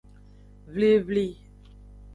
Vivli.